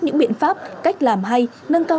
những biện pháp cách làm hay nâng cao